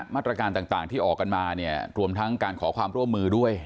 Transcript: มาตรการต่างที่ออกกันมาเนี่ยรวมทั้งการขอความร่วมมือด้วย